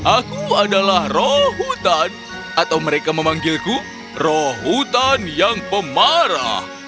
aku adalah roh hutan atau mereka memanggilku roh hutan yang pemarah